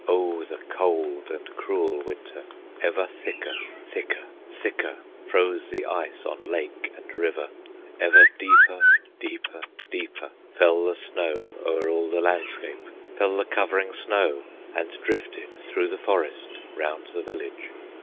Oh the cold and cruel Winter! Ever thicker, thicker, thicker Froze the ice on lake and river, Ever deeper, deeper, deeper Fell the snow o'er all the landscape, Fell the covering snow, and drifted Through the forest, round the village.